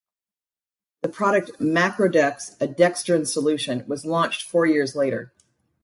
The product Macrodex, a dextran solution, was launched four years later.